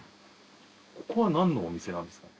ここはなんのお店なんですか。